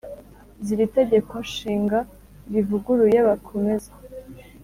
Z’iri Tegeko Nshinga rivuguruye bakomeza